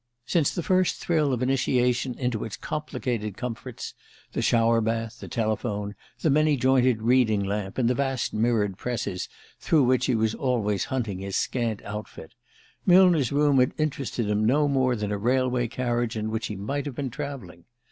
Since the first thrill of initiation into its complicated comforts the shower bath, the telephone, the many jointed reading lamp and the vast mirrored presses through which he was always hunting his scant outfit Millner's room had interested him no more than a railway carriage in which he might have been travelling.